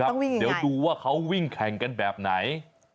ต้องวิ่งอย่างไรเดี๋ยวดูว่าเขาวิ่งแข่งกันแบบไหน